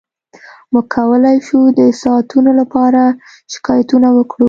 موږ کولی شو د ساعتونو لپاره شکایتونه وکړو